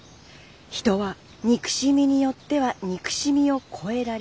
人は憎しみによっては憎しみを越えられない」。